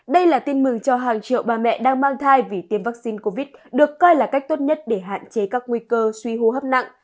đây là tin mừng cho hàng triệu bà mẹ đang mang thai vì tiêm vaccine covid được coi là cách tốt nhất để hạn chế các nguy cơ suy hô hấp nặng